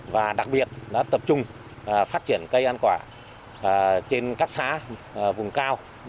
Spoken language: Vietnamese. và đặc biệt đã tập trung phát triển cây ăn quả trên các xá vùng cao